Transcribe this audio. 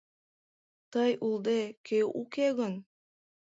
Тый улде, кӧ уке гын?